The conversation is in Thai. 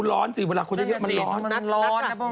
ร้อนสิเวลาคนจะคิดว่ามันร้อน